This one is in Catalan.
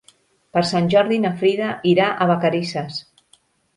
Per Sant Jordi na Frida irà a Vacarisses.